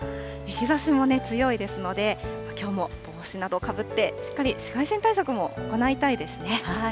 日ざしも強いですので、きょうも帽子などをかぶって、しっかり紫外線対策も行いたいですね。